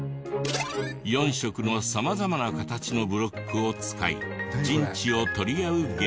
４色の様々な形のブロックを使い陣地を取り合うゲーム。